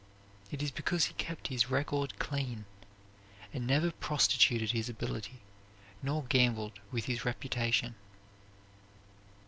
It is because he kept his record clean, and never prostituted his ability nor gambled with his reputation.